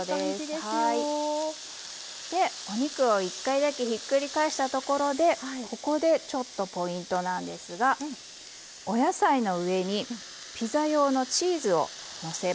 お肉を１回だけひっくり返したところでここでちょっとポイントなんですがお野菜の上にピザ用のチーズをのせます。